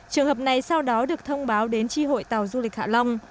trường hợp này sau đó được thông báo đến tri hội tàu du lịch hạ long